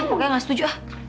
pokoknya nggak setuju ah